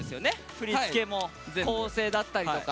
振り付けも構成だったりとか。